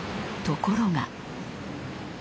ところが。